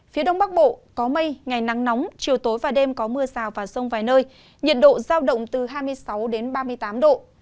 phía đông bắc bộ có mây ngày nắng nóng chiều tối và đêm có mưa rào và rông vài nơi nhiệt độ giao động từ hai mươi sáu đến ba mươi tám độ